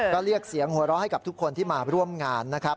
ก็เรียกเสียงหัวเราะให้กับทุกคนที่มาร่วมงานนะครับ